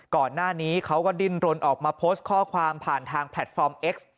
ก่อนหน้านี้เขาก็ดิ้นรนออกมาโพสต์ข้อความผ่านทางแพลตฟอร์มเอ็กซ์